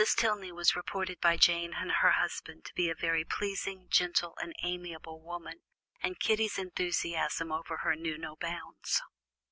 Tilney was reported by Jane and her husband to be a very pleasing, gentle and amiable woman, and Kitty's enthusiasm over her knew no bounds.